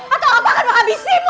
atau apa akan menghabisimu